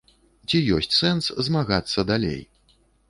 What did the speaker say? Ці ёсць сэнс змагацца далей?